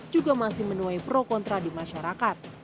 juga masih menuai pro kontra di masyarakat